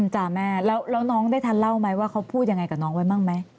จ้าแม่แล้วน้องได้ทันเล่าไหมว่าเขาพูดยังไงกับน้องไว้บ้างไหม